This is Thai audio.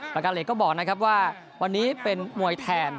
ประการเหล็กก็บอกนะครับว่าวันนี้เป็นมวยแทน